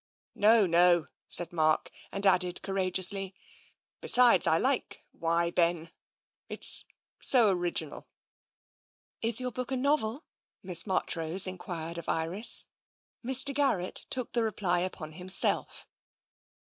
" No, no," said Mark, and added courageously, " Besides, I like ' Why, Ben !' It's so original." " Is your book a novel ?" Miss Marchrose enquired of Iris. Mr. Garrett took the reply upon himself.